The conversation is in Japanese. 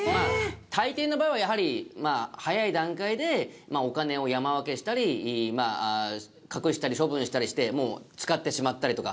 大抵の場合はやはり早い段階でお金を山分けしたり隠したり処分したりしてもう使ってしまったりとか。